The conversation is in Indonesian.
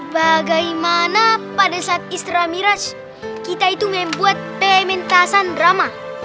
bagaimana pada saat istirahat miraj kita itu membuat pementasan drama